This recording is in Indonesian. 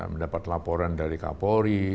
mendapat laporan dari kapolri